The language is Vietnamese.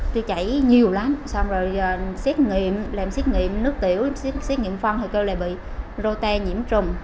tiêu chảy nhiều lắm xong rồi xét nghiệm làm xét nghiệm nước tiểu xét nghiệm phân thì kêu là bị rô te nhiễm trùng